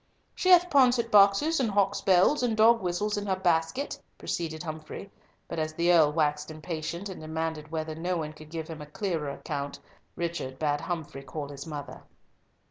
"She hath pouncet boxes and hawks' bells, and dog whistles in her basket," proceeded Humfrey, but as the Earl waxed impatient, and demanded whether no one could give him a clearer account, Richard bade Humfrey call his mother.